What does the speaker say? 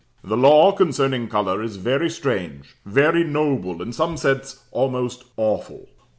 The law concerning colour is very strange, very noble, in some sense almost awful.